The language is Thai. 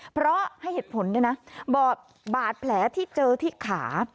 เพราะให้เหตุผลด้วยนะบอกบาดแผลที่เจอที่ขา